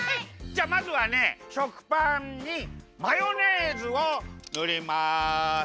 じゃあまずはね食パンにマヨネーズをぬります。